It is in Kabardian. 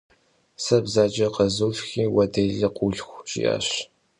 «Сэ бзаджэ къэзылъхуи, уэ делэ къыулъху», - жиӀащ.